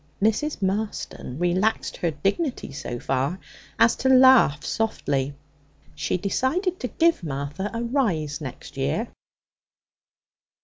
Mrs. Marston relaxed her dignity so far as to laugh softly. She decided to give Martha a rise next year.